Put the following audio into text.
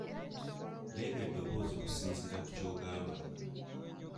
Leega eddoboozi okusinziira ku ky'ogamba .